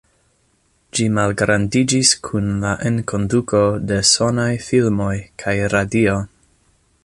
Ĝi malgrandiĝis kun la enkonduko de sonaj filmoj kaj radio.